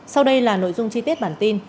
sau đây là nội dung chi tiết bản tin